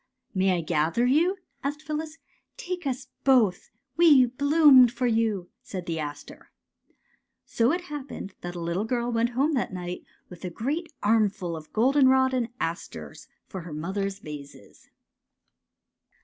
'' May I gather you? " asked Phyllis. '' Take us both. We bloomed for you," said the aster. So it happened that a little girl went home that night with a great armful of goldenrod and asters for her mother's vases.